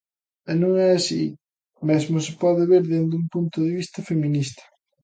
E non é así, mesmo se pode ver dende un punto de vista feminista.